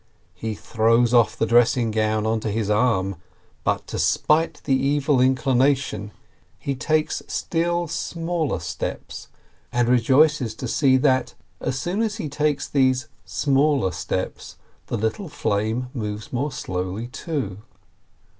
He throws off the dressing gown onto his arm, but to spite the Evil Inclination he takes still smaller THE TKEASUEE 63 steps, and rejoices to see that, as soon as he takes these smaller steps, the little flame moves more slowly, too.